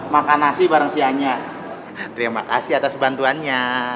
makan nasi bareng si anya terima kasih atas bantuannya